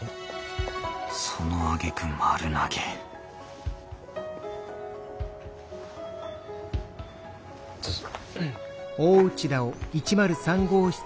そのあげく丸投げどうぞ。